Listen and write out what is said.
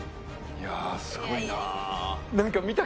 いやすごいな。